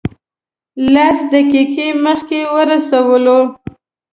لس دقیقې مخکې ورسولو.